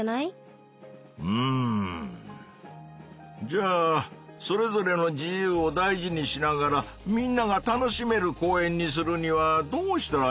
じゃあそれぞれの自由を大事にしながらみんなが楽しめる公園にするにはどうしたらいいのかのう。